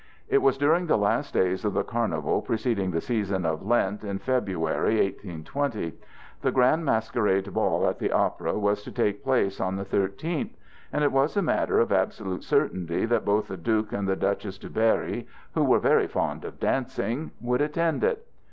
It was during the last days of the carnival preceding the season of Lent, in February, 1820. The grand masquerade ball at the opera was to take place on the thirteenth, and it was a matter of absolute certainty that both the Duc and the Duchesse de Berry, who were very fond of dancing, would attend it.